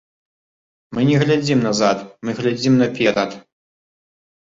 Мы не глядзім назад, мы глядзім наперад.